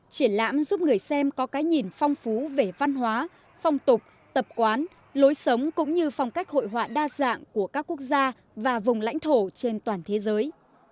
triển lãm giúp người xem có cái nhìn phong phú về văn hóa phong tục tập quán lối sống cũng như phong cách hội họa đa dạng của các quốc gia và vùng lãnh thổ trên toàn thế giới